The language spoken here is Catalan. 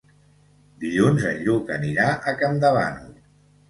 Dilluns en Lluc anirà a Campdevànol.